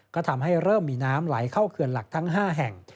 ก็ทำให้เริ่มมีน้ำไหลเข้าเขื่อนหลักทั้ง๕แห่ง